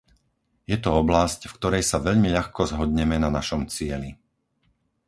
Je to oblasť, v ktorej sa veľmi ľahko zhodneme na našom cieli.